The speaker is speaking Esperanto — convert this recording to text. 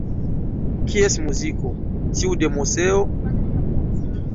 Kies muziko, tiu de Moseo?